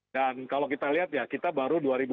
dan kalau kita lihat ya kita baru dua ribu dua puluh dua